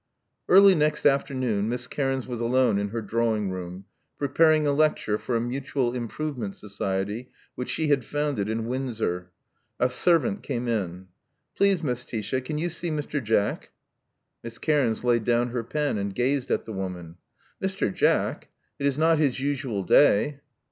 Early next afternoon, Miss Cairns was alone in her drawing room, preparing a lecture for a mutual improvement society which she had founded in Wind sor. A servant came in. *' Please, Miss Tisha, can you see Mr. Jack?" Miss Cairns laid down her pen, and gazed at the woman. Mr. Jack! It is not his usual day."